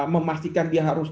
memastikan dia harus